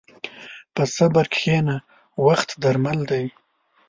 په صبر کښېنه، وخت درمل دی.